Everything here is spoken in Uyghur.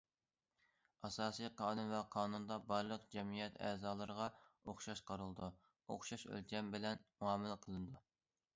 ئاساسىي قانۇن ۋە قانۇندا بارلىق جەمئىيەت ئەزالىرىغا ئوخشاش قارىلىدۇ، ئوخشاش ئۆلچەم بىلەن مۇئامىلە قىلىنىدۇ.